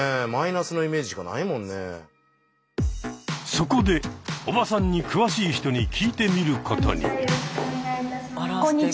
そこでおばさんに詳しい人に聞いてみることに。